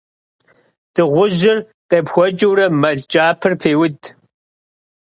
Дыгъужьыр къепхуэкӀыурэ мэл кӀапэр пеуд.